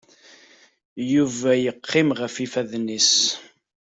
Yuba yeqqim ɣef yifadden-nnes.